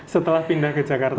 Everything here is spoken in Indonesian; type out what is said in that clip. setelah pindah ke jakarta